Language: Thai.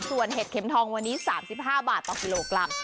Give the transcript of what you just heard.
ส่วนเห็ดเข็มทองวันนี้๓๕บาทต่อกิโลกรัม